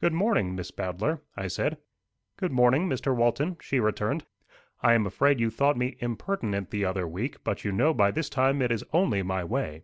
"Good morning, Miss Bowdler," I said. "Good morning, Mr. Walton," she returned "I am afraid you thought me impertinent the other week; but you know by this time it is only my way."